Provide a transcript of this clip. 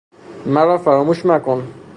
مرافراموش مکن